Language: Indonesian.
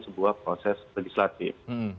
sebuah proses legislatif